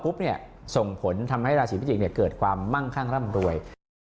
ปุ๊บเนี่ยส่งผลทำให้ราศีพิจิกเกิดความมั่งคั่งรำรวย